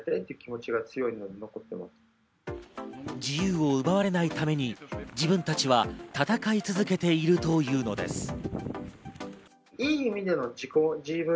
自由を奪われないために自分たちは戦い続けているというのです。